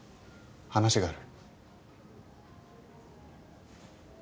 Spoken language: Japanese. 話がある。